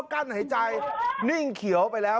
กั้นหายใจนิ่งเขียวไปแล้ว